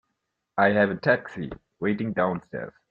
I have a taxi waiting downstairs.